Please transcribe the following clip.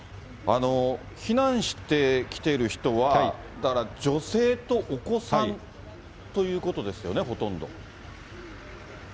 避難してきてる人は、女性とお子さんということですよね、ほとんど。